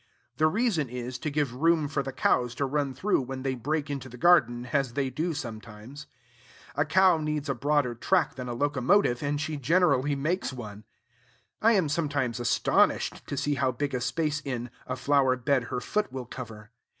The reason is, to give room for the cows to run through when they break into the garden, as they do sometimes. A cow needs a broader track than a locomotive; and she generally makes one. I am sometimes astonished, to see how big a space in, a flower bed her foot will cover.